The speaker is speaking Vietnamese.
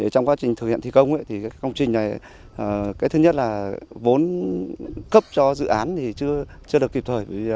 trong quá trình thực hiện thi công thì công trình này cái thứ nhất là vốn cấp cho dự án thì chưa được kịp thời